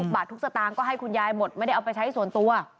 บาททุกสตางค์ก็ให้คุณยายหมดไม่ได้เอาไปใช้ส่วนตัว